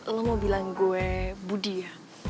lo mau bilang gue budi ya